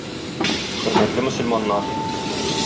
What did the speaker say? Хөрмәтле мөселманнар!